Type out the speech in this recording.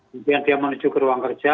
kemudian dia menuju ke ruang kerja